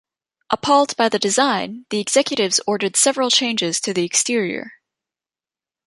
Appalled by the design, the executives ordered several changes to the exterior.